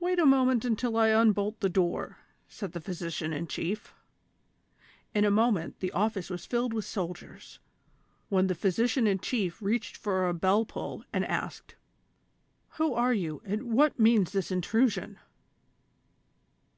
"Wait a moment until I unbolt the door," said the physician in chief. In a moment the office was filled with soldiers, when the physician in chief readied for a bell pull and asked :" Who are you, and what means this intrusion